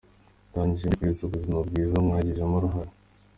Ndangije mbifuriza ubuzima bwiza, mwagizemo uruhare!.